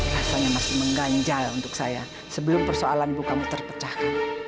rasanya masih mengganjal untuk saya sebelum persoalan bukamu terpecahkan